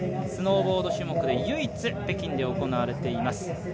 スノーボード種目で唯一北京で行われています。